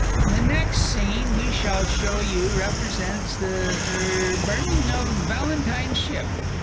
The next scene we shall show you represents the er burning of Valentine's ship.